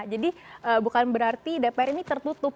jadi bukan berarti dpr ini tertutup